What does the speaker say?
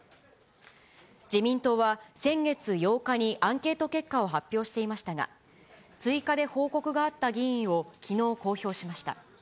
自民党は、先月８日にアンケート結果を発表していましたが、追加で報告があった議員をきのう公表しました。